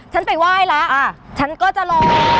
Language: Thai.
ฉันไปไหว้แล้วฉันก็จะรอ